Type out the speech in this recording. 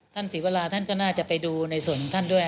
ท่านศิวราท่านก็น่าจะไปดูในส่วนของท่านด้วยเนอะ